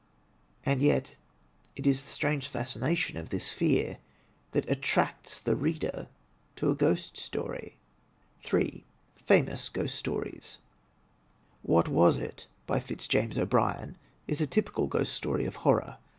And yet it is the strange fascination of this fear that attracts the reader to a ghost story. J. Famous Ghost Stories "What Was It?" by Fitzjames O'Brien, is a typical Ghost Story of horror.